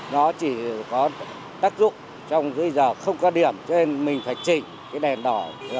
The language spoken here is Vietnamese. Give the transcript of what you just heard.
nó chỉ có tác dụng trong giờ không có điểm cho nên mình phải chỉnh cái đèn đỏ